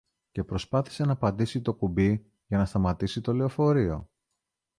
και προσπάθησε να πατήσει το κουμπί για να σταματήσει το λεωφορείο